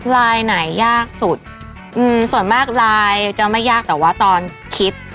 ไหนยากสุดส่วนมากไลน์จะไม่ยากแต่ว่าตอนคิด